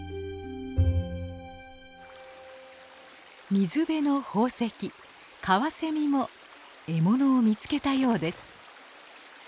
水辺の宝石カワセミも獲物を見つけたようです。